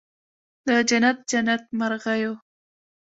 د جنت، جنت مرغېو